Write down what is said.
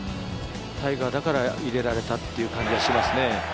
タイガーだから入れられたっていう感じしますね。